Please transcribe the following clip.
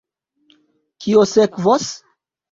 Kio sekvos?